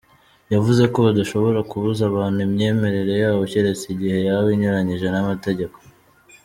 Yavuze ko badashobora kubuza abantu imyemerere yabo keretse igihe yaba inyuranyije n’amategeko.